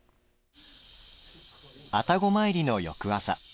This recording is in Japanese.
愛宕詣りの翌朝。